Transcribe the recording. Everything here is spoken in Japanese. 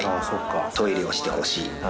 トイレをしてほしい。